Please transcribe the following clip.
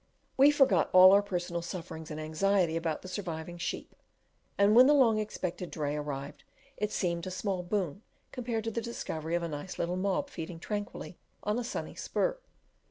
We forgot all our personal sufferings in anxiety about the surviving sheep, and when the long expected dray arrived it seemed a small boon compared to the discovery of a nice little "mob" feeding tranquilly on a sunny spur.